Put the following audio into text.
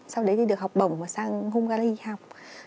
sau đấy thì được học bổng và sang hungary học